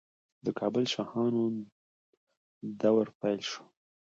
د کابل شاهانو دوره پیل شوه